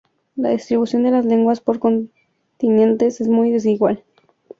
La distribución de las lenguas por continentes es muy desigual.